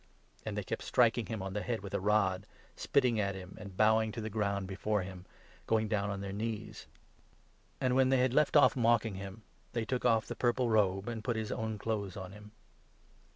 And they kept striking him on the head with a rod, spitting 19 at him, and bowing to the ground before him — going down on their knees ; and, when they had left off mocking him, they 20 took off the purple robe, and put his own clothes on him.